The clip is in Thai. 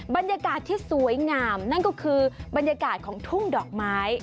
บรรยากาศที่สวยงามนั่นก็คือบรรยากาศของทุ่งดอกไม้